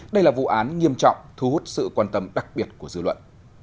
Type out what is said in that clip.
đây là vụ án nghiêm trọng thu hút sự quan tâm đặc biệt của dư luận